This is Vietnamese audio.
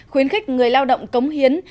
khuyến khích người lao động cống hiến